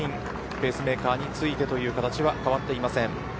ペースメーカーについてという形は変わりません。